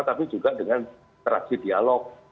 tapi juga dengan interaksi dialog